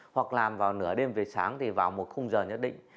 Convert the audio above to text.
hoặc làm vào nửa đêm về sáng thì vào một khung giờ nhất định